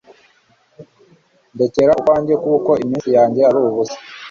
Ndekera ukwanjye kuko iminsi yanjye ari ubusa